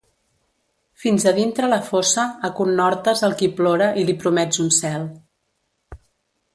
Fins a dintre la fossa aconhortes el qui plora i li promets un cel.